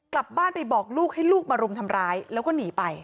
กลับบ้านไปบอกลูกให้ลูกมารุมทำร้ายแล้วก็หนีไป